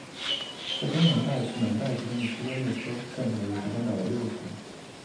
在东能代至能代之间的区间列车占整日时间表的六成。